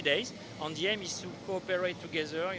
dan tujuan kita adalah untuk berkooperasi bersama